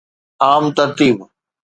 عام ترتيب